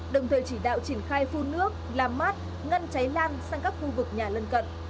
đồng thời chỉ đạo triển khai phun nước làm mát ngăn cháy lan sang các khu vực nhà lân cận